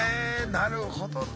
なるほどな。